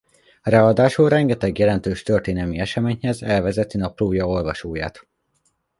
Ráadásul rengeteg jelentős történelmi eseményhez elvezeti naplója olvasóját.